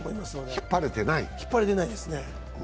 引っ張れてないですね。